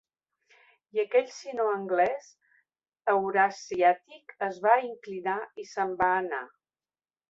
I aquell sinoanglès eurasiàtic es va inclinar i se'n va anar.